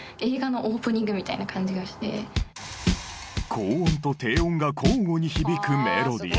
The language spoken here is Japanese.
高音と低音が交互に響くメロディー。